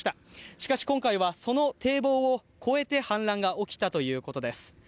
しかし今回はその堤防を越えて氾濫が起きたということです。